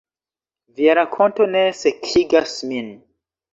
“Via rakonto ne sekigas min.”